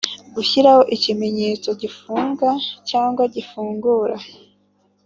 gushyiraho ikimenyetso gifunga cyangwa gifungura